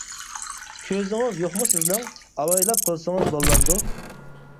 -كۆزىڭىز يوقمۇ سىزنىڭ، ئاۋايلاپ قىلسىڭىز بولمامدۇ؟ !